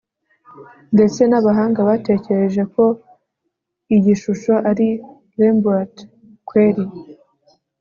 ndetse nabahanga batekereje ko iyi shusho ari rembrandt kweli